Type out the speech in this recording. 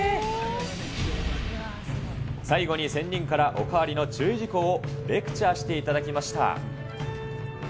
最後に仙人からお代わりの注意事項をレクチャーしていただきまし